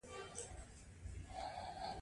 لوی پانګوال تل د ډېرې ګټې په لټه کې وي